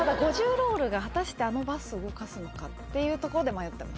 ロールが果たしてあのバスを動かすのか？っていうところで迷ってます。